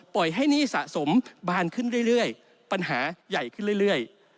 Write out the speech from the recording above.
ปล่อยให้หนี้สะสมบานขึ้นเรื่อยปัญหาใหญ่ขึ้นเรื่อย